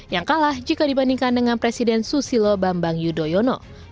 yang kalah jika dibandingkan dengan presiden susilo bambang yudhoyono